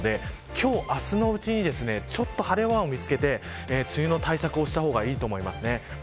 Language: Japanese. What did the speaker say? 今日、明日のうちにちょっと晴れ間を見つけて梅雨の対策をした方がいいと思います。